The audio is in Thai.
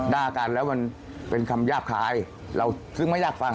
ถ้าเราเลยเรียกได้